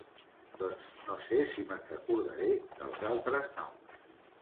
Doncs no sé si me'n recordaré dels altres noms.